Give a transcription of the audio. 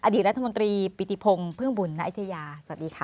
อดีตรัฐมนตรีปิติพงศ์เพื่องบุญนายเทยาสวัสดีค่ะ